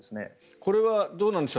これはどうなんでしょう。